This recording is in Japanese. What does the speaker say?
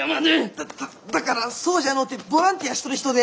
だだからそうじゃのうてボランティアしとる人で。